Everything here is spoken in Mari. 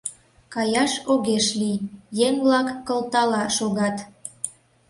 Каяш огеш лий: еҥ-влак кылтала шогат.